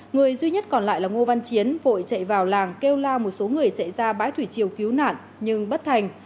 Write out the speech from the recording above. người duy nhất còn lại là ngô văn chiến vội chạy vào làng kêu lao một số người chạy ra bãi thủy triều cứu nạn nhưng bất thành